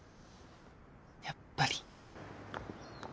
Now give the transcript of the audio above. やっぱり。